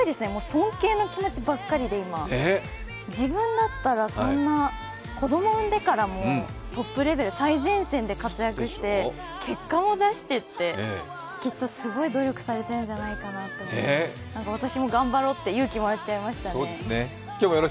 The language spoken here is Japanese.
尊敬の気持ちばっかりで今、自分だったらそんな、子供産んでからもトップレベル、最前線で活躍して結果も出してってきっとすごい努力されているんじゃないかなって私も頑張ろうって勇気もらっちゃいましたね。